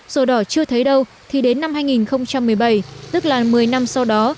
sổ đỏ chưa thấy đâu thì đến năm hai nghìn một mươi bảy tức là một mươi năm sau đó